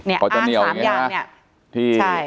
อ้างสามอย่างเนี่ย